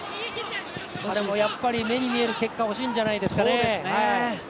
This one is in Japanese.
でも、やっぱり目に見える結果は欲しいんじゃないですかね。